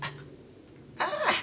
ああ